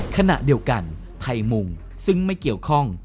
ขณะเดียวกันภัยมุงซึ่งไม่เกี่ยวข้อง